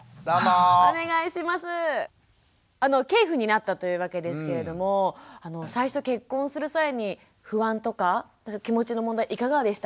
継父になったというわけですけれども最初結婚する際に不安とか気持ちの問題いかがでしたか？